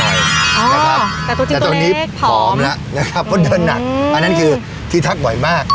แต่ตอนนี้ผอมแล้วนะครับเพราะเดินหนักอันนั้นคือที่ทักบ่อยมาก